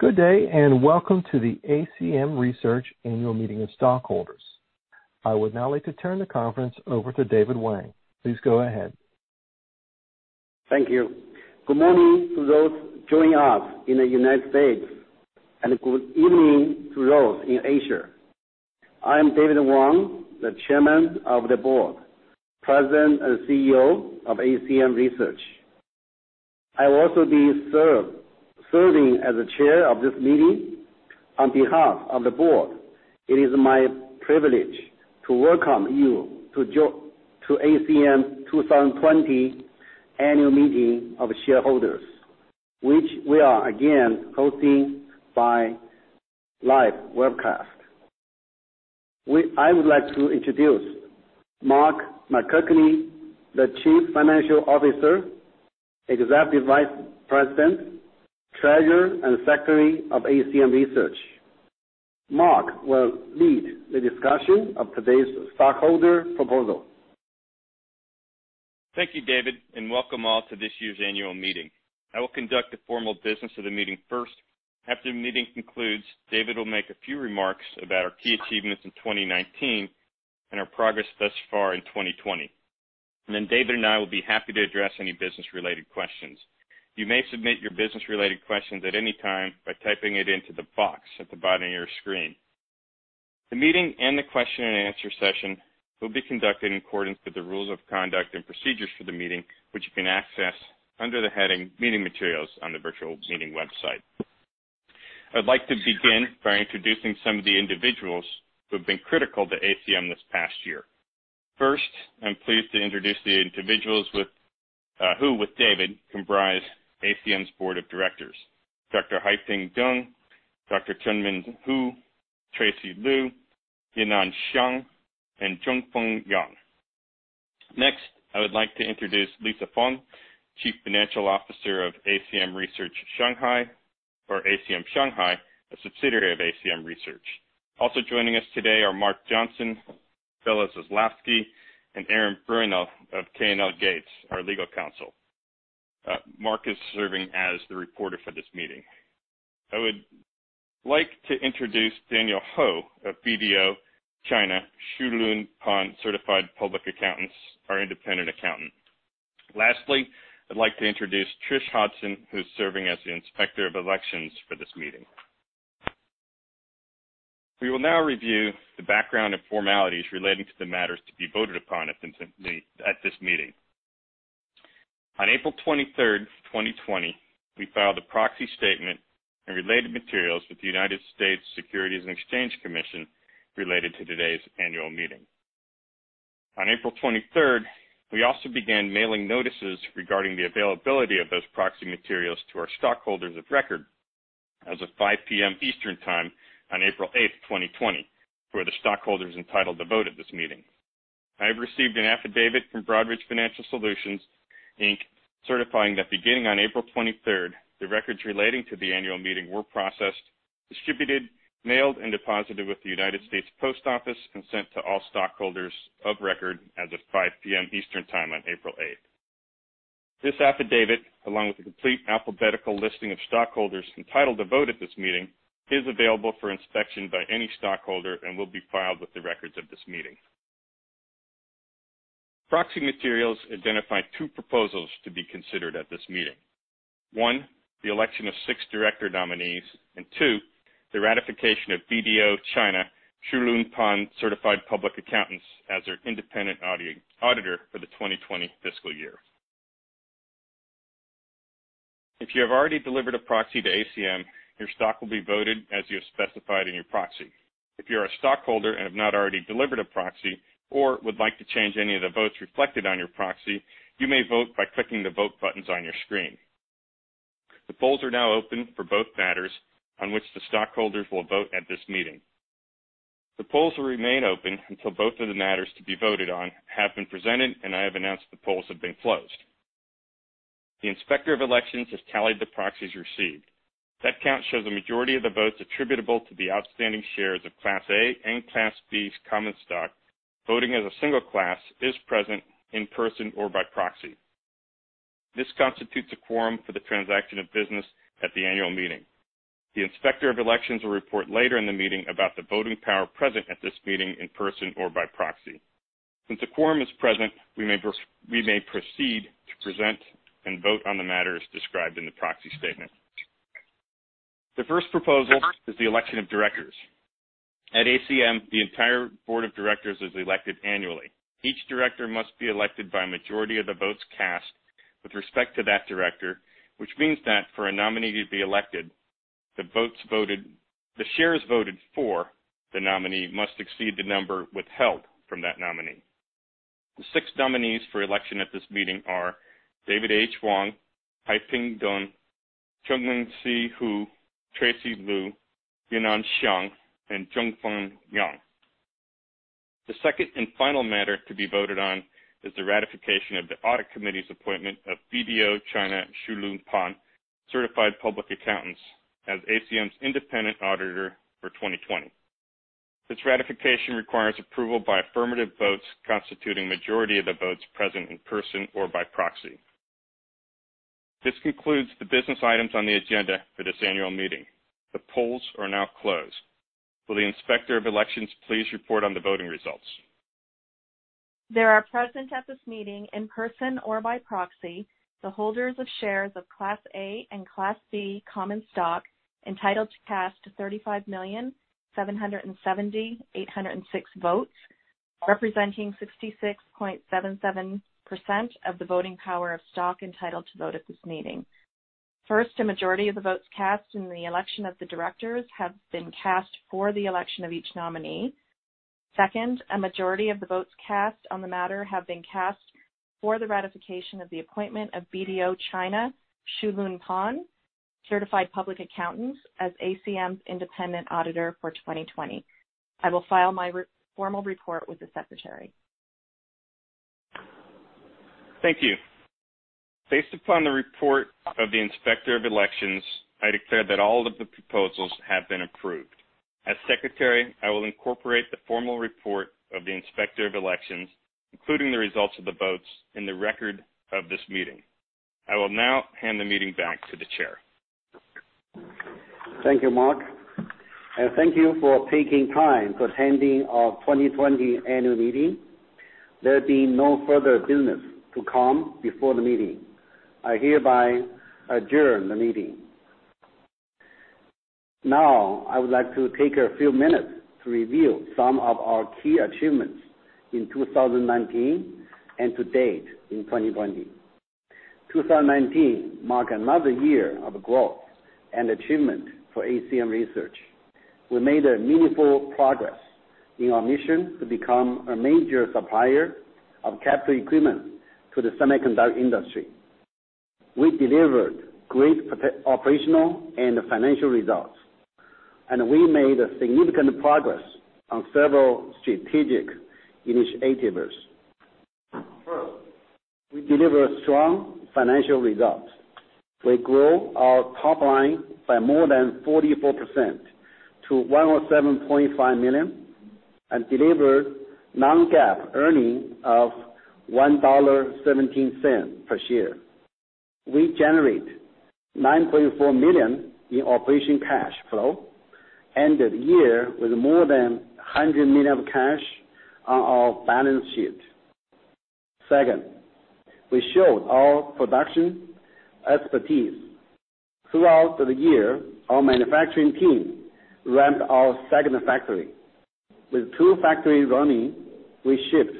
Good day and welcome to the ACM Research Annual Meeting of Stockholders. I would now like to turn the conference over to David Wang. Please go ahead. Thank you. Good morning to those joining us in the United States, and good evening to those in Asia. I am David Wang, the Chairman of the Board, President, and CEO of ACM Research. I also will be serving as the Chair of this meeting on behalf of the Board. It is my privilege to welcome you to ACM 2020 Annual Meeting of Shareholders, which we are again hosting by live webcast. I would like to introduce Mark McKechnie, the Chief Financial Officer, Executive Vice President, Treasurer, and Secretary of ACM Research. Mark will lead the discussion of today's stockholder proposal. Thank you, David, and welcome all to this year's annual meeting. I will conduct the formal business of the meeting first. After the meeting concludes, David will make a few remarks about our key achievements in 2019 and our progress thus far in 2020. David and I will be happy to address any business-related questions. You may submit your business-related questions at any time by typing it into the box at the bottom of your screen. The meeting and the question-and-answer session will be conducted in accordance with the rules of conduct and procedures for the meeting, which you can access under the heading "Meeting Materials" on the virtual meeting website. I would like to begin by introducing some of the individuals who have been critical to ACM this past year. First, I'm pleased to introduce the individuals who with David comprise ACM's Board of Directors: Dr. Haiping Dun, Dr. Chenmin Hu, Tracy Liu, Yinan Xiang, and Zhongfeng Yang. Next, I would like to introduce Lisa Feng, Chief Financial Officer of ACM Research Shanghai, or ACM Shanghai, a subsidiary of ACM Research. Also joining us today are Mark Johnson, Phyllis Zaslavsky, and Aaron Brenneel of K&L Gates, our legal counsel. Mark is serving as the reporter for this meeting. I would like to introduce Daniel Ho, a BDO China Shu Lun Pan Certified Public Accountant, our independent accountant. Lastly, I'd like to introduce Trish Hodson, who's serving as the Inspector of Elections for this meeting. We will now review the background and formalities relating to the matters to be voted upon at this meeting. On April 23, 2020, we filed a proxy statement and related materials with the U.S. Securities and Exchange Commission related to today's annual meeting. On April 23, we also began mailing notices regarding the availability of those proxy materials to our stockholders of record as of 5:00 P.M. Eastern Time on April 8, 2020, for the stockholders entitled to vote at this meeting. I have received an affidavit from Broadridge Financial Solutions, Inc., certifying that beginning on April 23, the records relating to the annual meeting were processed, distributed, mailed, and deposited with the United States Post Office and sent to all stockholders of record as of 5:00 P.M. Eastern Time on April 8. This affidavit, along with a complete alphabetical listing of stockholders entitled to vote at this meeting, is available for inspection by any stockholder and will be filed with the records of this meeting. Proxy materials identify two proposals to be considered at this meeting: one, the election of six director nominees; and two, the ratification of BDO China Shu Lun Pan Certified Public Accountants as their independent auditor for the 2020 fiscal year. If you have already delivered a proxy to ACM, your stock will be voted as you have specified in your proxy. If you are a stockholder and have not already delivered a proxy or would like to change any of the votes reflected on your proxy, you may vote by clicking the vote buttons on your screen. The polls are now open for both matters on which the stockholders will vote at this meeting. The polls will remain open until both of the matters to be voted on have been presented, and I have announced the polls have been closed. The Inspector of Elections has tallied the proxies received. That count shows a majority of the votes attributable to the outstanding shares of Class A and Class B common stock voting as a single class is present in person or by proxy. This constitutes a quorum for the transaction of business at the annual meeting. The Inspector of Elections will report later in the meeting about the voting power present at this meeting in person or by proxy. Since a quorum is present, we may proceed to present and vote on the matters described in the proxy statement. The first proposal is the election of directors. At ACM, the entire board of directors is elected annually. Each director must be elected by a majority of the votes cast with respect to that director, which means that for a nominee to be elected, the shares voted for the nominee must exceed the number withheld from that nominee. The six nominees for election at this meeting are David H. Wang, Haiping Dun, Chenmin Hu, Tracy Liu, Yinan Xiang, and Zhongfeng Yang. The second and final matter to be voted on is the ratification of the audit committee's appointment of BDO China Shu Lun Pan Certified Public Accountants as ACM's independent auditor for 2020. This ratification requires approval by affirmative votes constituting a majority of the votes present in person or by proxy. This concludes the business items on the agenda for this annual meeting. The polls are now closed. Will the Inspector of Elections please report on the voting results? There are present at this meeting in person or by proxy the holders of shares of Class A and Class B common stock entitled to cast 35,770,806 votes, representing 66.77% of the voting power of stock entitled to vote at this meeting. First, a majority of the votes cast in the election of the directors have been cast for the election of each nominee. Second, a majority of the votes cast on the matter have been cast for the ratification of the appointment of BDO China Shu Lun Pan Certified Public Accountants as ACM's independent auditor for 2020. I will file my formal report with the Secretary. Thank you. Based upon the report of the Inspector of Elections, I declare that all of the proposals have been approved. As Secretary, I will incorporate the formal report of the Inspector of Elections, including the results of the votes, in the record of this meeting. I will now hand the meeting back to the Chair. Thank you, Mark. Thank you for taking time for attending our 2020 annual meeting. There will be no further business to come before the meeting. I hereby adjourn the meeting. Now, I would like to take a few minutes to review some of our key achievements in 2019 and to date in 2020. 2019 marked another year of growth and achievement for ACM Research. We made meaningful progress in our mission to become a major supplier of capital equipment to the semiconductor industry. We delivered great operational and financial results, and we made significant progress on several strategic initiatives. First, we delivered strong financial results. We grew our top line by more than 44% to $107.5 million and delivered non-GAAP earnings of $1.17 per share. We generated $9.4 million in operating cash flow and ended the year with more than $100 million of cash on our balance sheet. Second, we showed our production expertise. Throughout the year, our manufacturing team ramped our second factory. With two factories running, we shipped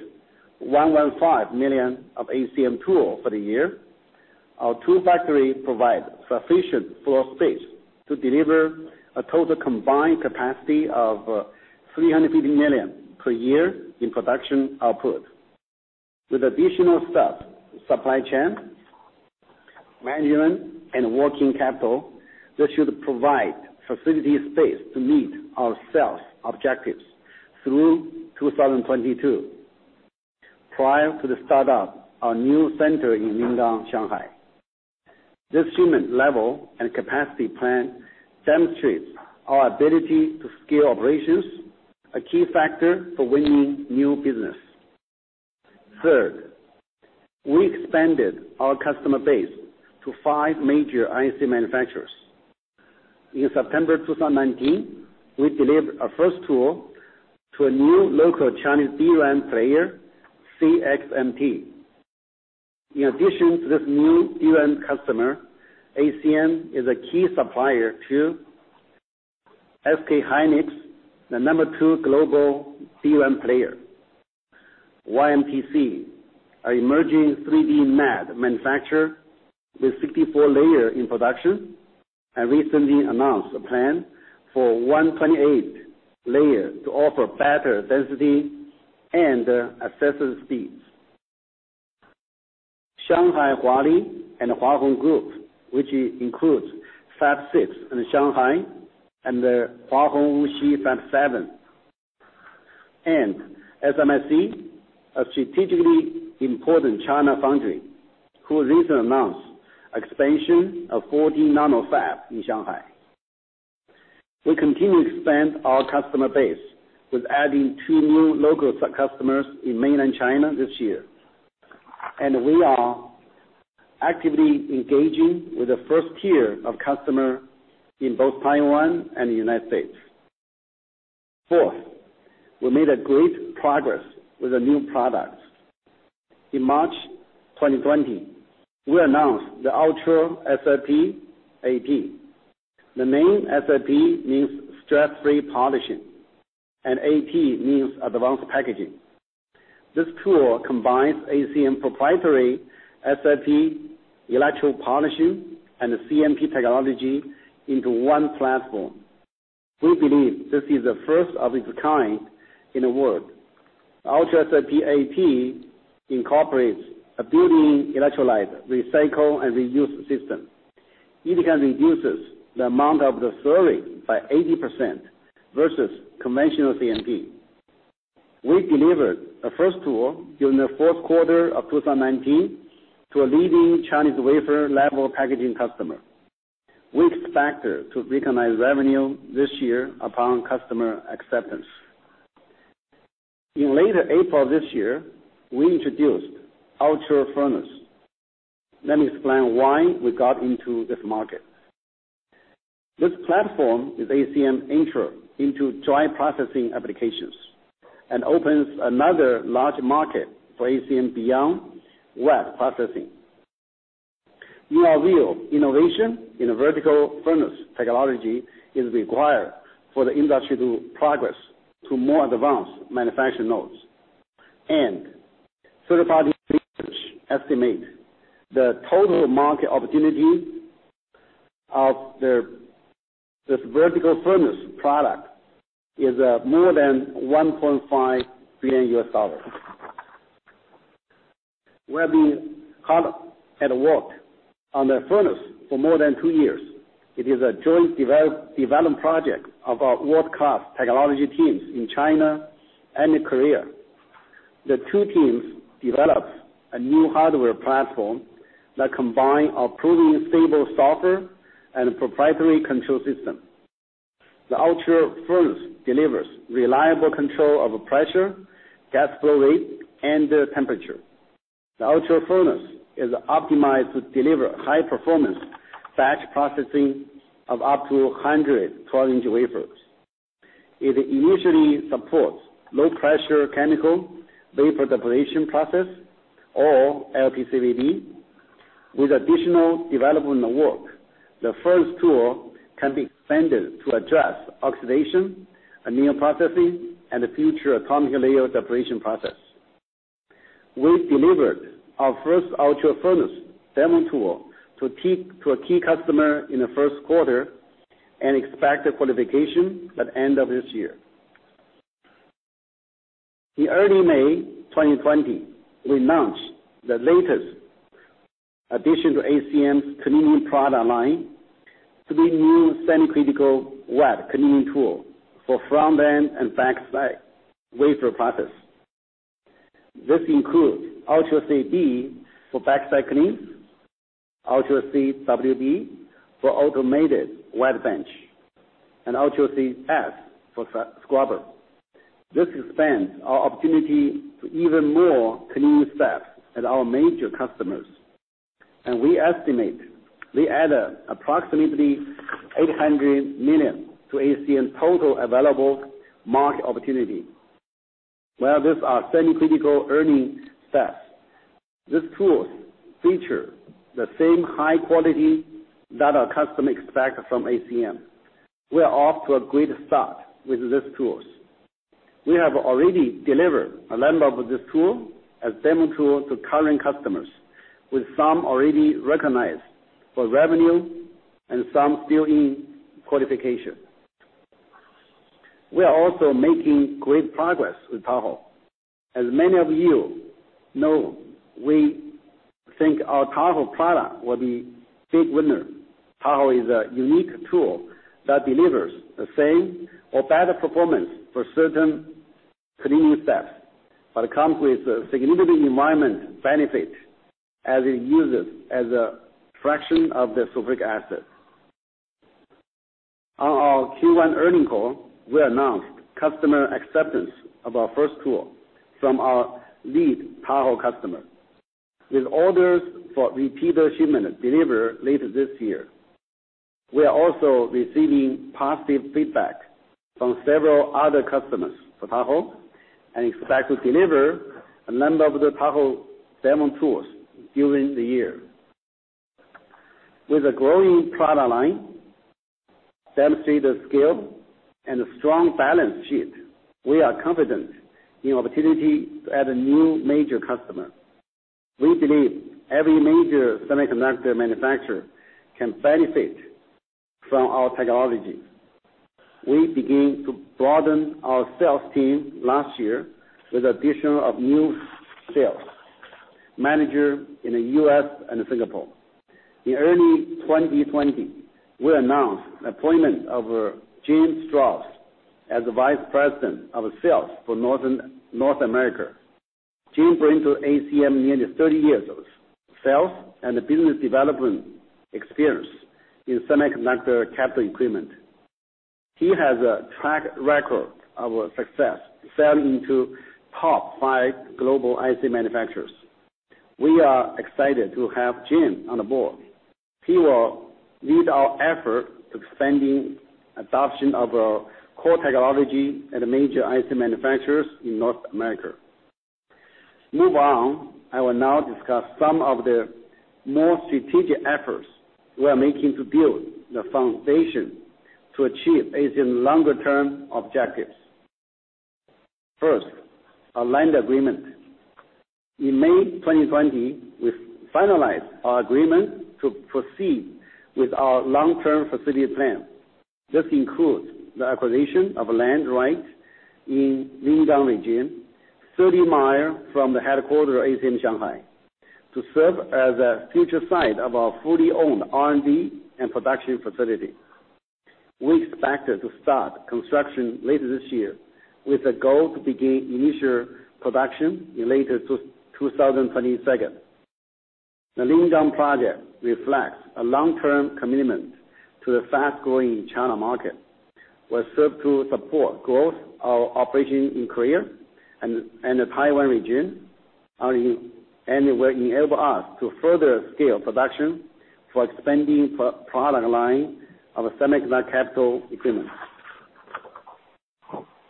$115 million of ACM tools for the year. Our two factories provide sufficient floor space to deliver a total combined capacity $350 million per year in production output. With additional staff, supply chain, management, and working capital, this should provide facility space to meet our sales objectives through 2022. Prior to the startup, our new center in Lingang, Shanghai. This human level and capacity plan demonstrates our ability to scale operations, a key factor for winning new business. Third, we expanded our customer base to five major IC manufacturers. In September 2019, we delivered our first tool to a new local Chinese DRAM player, CXMT. In addition to this new DRAM customer, ACM is a key supplier to SK Hynix, the number two global DRAM player. YMTC, our emerging 3D NAND manufacturer, with 64 layers in production, has recently announced a plan for 128 layers to offer better density and access speeds. Shanghai Huali and Hua Hong Group, which includes Fab 6 in Shanghai and Hua Hong Wuxi Fab 7, and SMIC, a strategically important China foundry, who recently announced expansion of 40 nanofabs in Shanghai. We continue to expand our customer base with adding two new local customers in mainland China this year, and we are actively engaging with the first tier of customers in both Taiwan and the United States. Fourth, we made great progress with a new product. In March 2020, we announced the Ultra SFP ap. The name SFP means stress-free polishing, and AP means advanced packaging. This tool combines ACM proprietary SFP electrical polishing and CMP technology into one platform. We believe this is the first of its kind in the world. Ultra SFP ap incorporates a built-in electrolyte recycle and reuse system. It can reduce the amount of the slurry by 80% versus conventional CMP. We delivered the first tool during the fourth quarter of 2019 to a leading Chinese wafer level packaging customer. We expect to recognize revenue this year upon customer acceptance. In late April this year, we introduced Ultra Furnace. Let me explain why we got into this market. This platform is ACM's intro into dry processing applications and opens another large market for ACM beyond wet processing. New and real innovation in vertical furnace technology is required for the industry to progress to more advanced manufacturing nodes. Third-party research estimates the total market opportunity of this vertical furnace product is more than $1.5 billion. We have been hard at work on the furnace for more than two years. It is a joint development project of our world-class technology teams in China and Korea. The two teams developed a new hardware platform that combines our proven stable software and proprietary control system. The Ultra Furnace delivers reliable control of pressure, gas flow rate, and temperature. The Ultra Furnace is optimized to deliver high-performance batch processing of up to 100 12-inch wafers. It initially supports low-pressure chemical vapor deposition process, or LPCVD. With additional development work, the furnace tool can be expanded to address oxidation, anneal processing, and the future atomic layer deposition process. We delivered our first Ultra Furnace demo tool to a key customer in the first quarter and expect the qualification at the end of this year. In early May 2020, we launched the latest addition to ACM's cleaning product line, three new semi-critical wet cleaning tools for front-end and backside wafer process. This includes Ultra C b for backside cleaning, Ultra C wb for automated wet bench, and Ultra C s for scrubber. This expands our opportunity to even more cleaning steps at our major customers. We estimate we added approximately $800 million to ACM's total available market opportunity. While these are semi-critical earning steps, these tools feature the same high quality that our customers expect from ACM. We are off to a great start with these tools. We have already delivered a number of these tools as demo tools to current customers, with some already recognized for revenue and some still in qualification. We are also making great progress with Tahoe. As many of you know, we think our Tahoe product will be a big winner. Tahoe is a unique tool that delivers the same or better performance for certain cleaning steps, but it comes with significant environment benefits as it uses a fraction of the sulfuric acid. On our Q1 earning call, we announced customer acceptance of our first tool from our lead Tahoe customer, with orders for repeated shipment delivered later this year. We are also receiving positive feedback from several other customers for Tahoe and expect to deliver a number of the Tahoe demo tools during the year. With a growing product line, demonstrated skill, and a strong balance sheet, we are confident in our opportunity to add a new major customer. We believe every major semiconductor manufacturer can benefit from our technology. We began to broaden our sales team last year with the addition of new sales managers in the U.S. and Singapore. In early 2020, we announced the appointment of Jim Strauss as the Vice President of Sales for North America. Jim brings to ACM nearly 30 years of sales and business development experience in semiconductor capital equipment. He has a track record of success, selling into top five global IC manufacturers. We are excited to have Jim on board. He will lead our effort to expand adoption of our core technology at major IC manufacturers in North America. Moving on, I will now discuss some of the more strategic efforts we are making to build the foundation to achieve ACM's longer-term objectives. First, our land agreement. In May 2020, we finalized our agreement to proceed with our long-term facility plan. This includes the acquisition of land rights in Lingang region, 30 miles from the headquarters of ACM Shanghai, to serve as a future site of our fully owned R&D and production facility. We expect to start construction later this year with the goal to begin initial production later in 2022. The Lingang project reflects a long-term commitment to the fast-growing China market. We serve to support growth of operations in Korea and the Taiwan region, and will enable us to further scale production for the expanding product line of semiconductor capital equipment.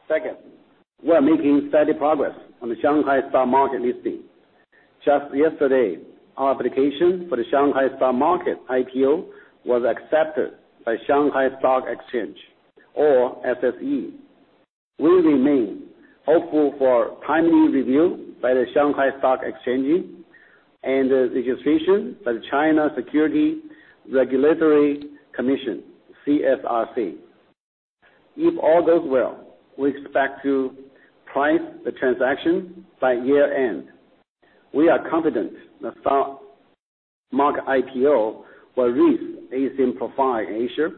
Second, we are making steady progress on the Shanghai stock market listing. Just yesterday, our application for the Shanghai STAR Market IPO was accepted by Shanghai Stock Exchange, or SSE. We remain hopeful for timely review by the Shanghai Stock Exchange and registration by the China Securities Regulatory Commission, CSRC. If all goes well, we expect to price the transaction by year-end. We are confident the STAR Market IPO will reach ACM profile in Asia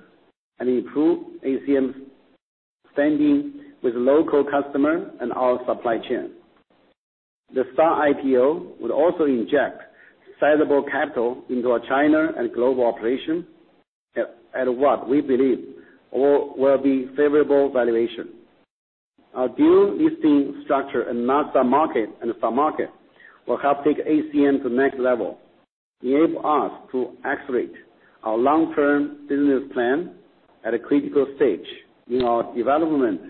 and improve ACM's standing with local customers and our supply chain. The STAR IPO will also inject sizable capital into our China and global operation, at what we believe will be a favorable valuation. Our dual listing structure in the STAR Market and the stock market will help take ACM to the next level, enable us to accelerate our long-term business plan at a critical stage in our development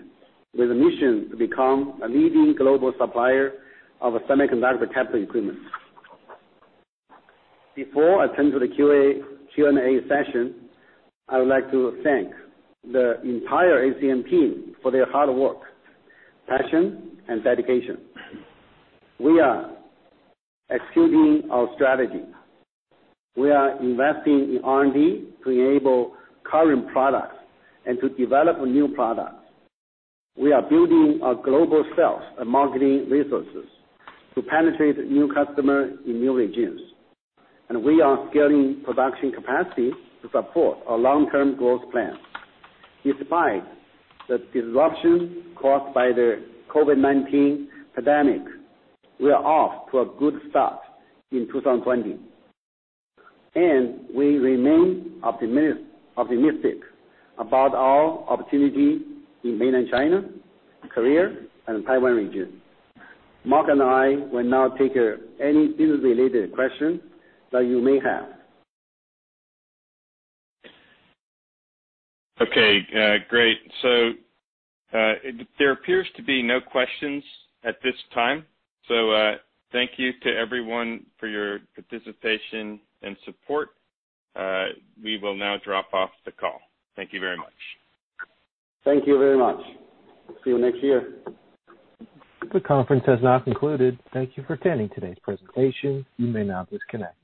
with a mission to become a leading global supplier of semiconductor capital equipment. Before I turn to the Q&A session, I would like to thank the entire ACM team for their hard work, passion, and dedication. We are executing our strategy. We are investing in R&D to enable current products and to develop new products. We are building our global sales and marketing resources to penetrate new customers in new regions. We are scaling production capacity to support our long-term growth plan. Despite the disruption caused by the COVID-19 pandemic, we are off to a good start in 2020. We remain optimistic about our opportunity in mainland China, Korea, and the Taiwan region. Mark and I will now take any business-related questions that you may have. Okay. Great. There appears to be no questions at this time. Thank you to everyone for your participation and support. We will now drop off the call. Thank you very much. Thank you very much. See you next year. The conference has now concluded. Thank you for attending today's presentation. You may now disconnect.